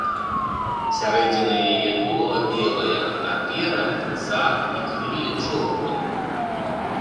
Сярэдзіна яе тулава белая, а перад, зад і крылле чорныя.